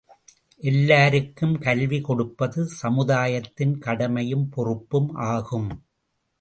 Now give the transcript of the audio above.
எல்லாருக்கும் கல்வி கொடுப்பது சமுதாயத்தின் கடமையும் பொறுப்பும் ஆகும்.